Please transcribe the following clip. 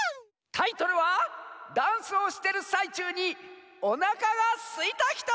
タイトルは「ダンスをしてるさいちゅうにおなかがすいたひと」！